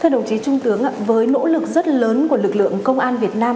đồng chí trung tướng với nỗ lực rất lớn của lực lượng công an việt nam